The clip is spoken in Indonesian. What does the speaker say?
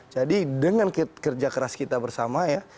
jadi dengan kerja keras kita bersama ya